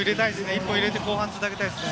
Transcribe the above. １本入れて、後半に繋げたいですね。